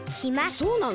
そうなの？